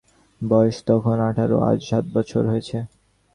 আজ সাত বৎসর হয়ে গেল, কেটির বয়স তখন আঠারো।